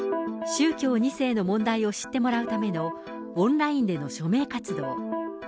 宗教２世の問題を知ってもらうためのオンラインでの署名活動。